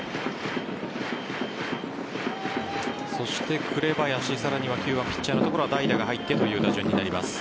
そして紅林、さらには９番ピッチャーのところは代打が入ってという形になります。